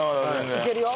いけるよ。